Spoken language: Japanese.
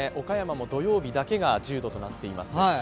岡山も土曜日だけが１０度となっています。